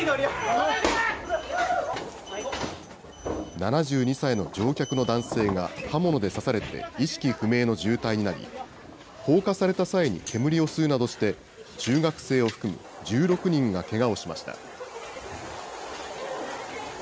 ７２歳の乗客の男性が刃物で刺されて意識不明の重体になり、放火された際に煙を吸うなどして、中学生を含む１６人がけがをしました。